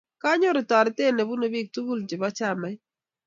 kanyoru torite nibunu biik tugul chebo chamait.